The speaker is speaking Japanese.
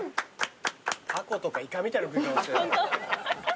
タコとかイカみたいな食い方。